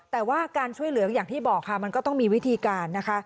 แต่ว่าการช่วยเหลืออย่างที่บอกค่ะมันก็ต้องมีวิธีการนะคะ